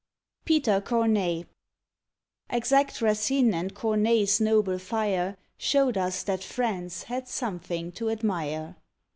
PETER CORNEILLE. Exact Racine and Corneille's noble fire Show'd us that France had something to admire.